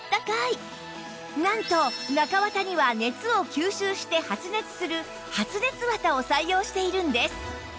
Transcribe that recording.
なんと中綿には熱を吸収して発熱する発熱綿を採用しているんです